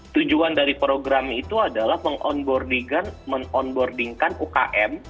tujuan dari program itu adalah mengonboardingkan umkm